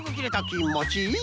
きんもちいい。